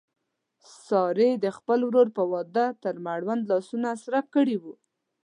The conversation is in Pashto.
سارې د خپل ورور په واده تر مړونده لاسونه سره کړي و.